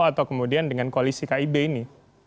atau kemudian dengan koalisi kib ini